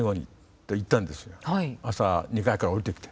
朝２階から下りてきて。